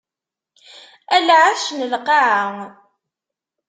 A lɛecc n lqaɛa!